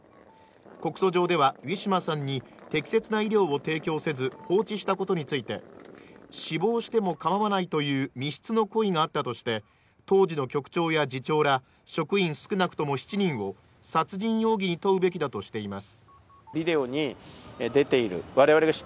告訴状ではウィシュマさんに適切な医療を提供せず放置したことについて死亡しても構わないという未必の故意があったとして当時の局長や次長ら職員少なくとも７人を殺人容疑に問うべきだとしています。